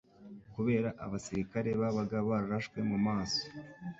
kubera abasirikare babaga bararashwe mu maso